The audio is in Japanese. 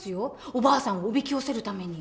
おばあさんをおびき寄せるために。